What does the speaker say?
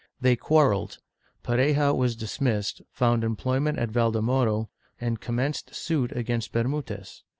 They c|uarrelled; Pareja was dismissed, found employment at Valdemoro, and commenced suit against Bermudez.